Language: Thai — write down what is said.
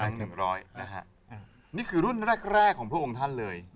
นี่คือรุ่นแรกแรกของพระองค์ท่านเลย